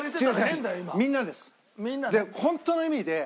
みんなです。